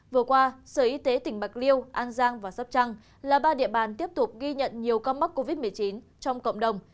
vừa qua sở y tế tỉnh bạc liêu an giang và sắp trăng là ba địa bàn tiếp tục ghi nhận nhiều ca mắc covid một mươi chín trong cộng đồng